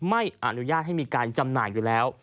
ไม่อนุญาตให้มีการจำหน่ายอยู่แล้ว